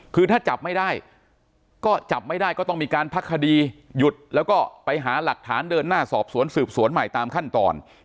คือถ้าจับไม่ได้ก็จับไม่ได้ก็ต้องมีการพักคดีหยุดแล้วก็ไปหาหลักฐานเดินหน้าสอบสวนสืบสวนใหม่ตามขั้นตอน